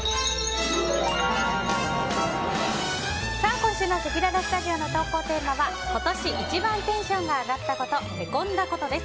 今週のせきららスタジオの投稿テーマは今年一番テンションが上がったこと＆へこんだことです。